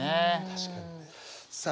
確かにね。